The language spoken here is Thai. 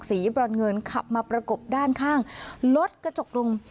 บรอนเงินขับมาประกบด้านข้างรถกระจกลง